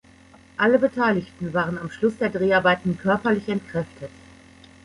Alle Beteiligten waren am Schluss der Dreharbeiten körperlich entkräftet.